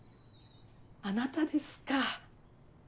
あなたですか。